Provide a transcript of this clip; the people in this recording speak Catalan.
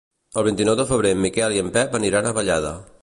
El vint-i-nou de febrer en Miquel i en Pep aniran a Vallada.